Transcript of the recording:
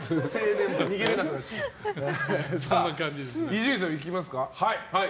伊集院さん、いきますか。